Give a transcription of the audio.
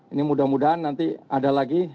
ini mudah mudahan nanti ada lagi